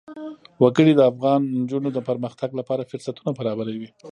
وګړي د افغان نجونو د پرمختګ لپاره فرصتونه برابروي.